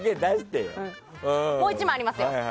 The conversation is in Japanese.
もう１枚ありますよ。